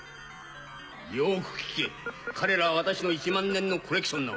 よく聞け彼らは私の１万年のコレクションなのだ。